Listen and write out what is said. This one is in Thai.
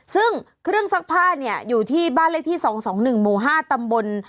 ซึ่งเครื่องซักผ้าเนี่ยอยู่ที่บ้านเลขที่๒๒๑หมู่๕ตำบล